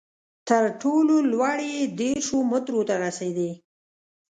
تر ټولو لوړې یې دېرشو مترو ته رسېدې.